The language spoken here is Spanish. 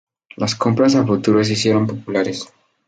Las compras a futuros se hicieron populares.